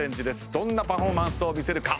どんなパフォーマンスを見せるか。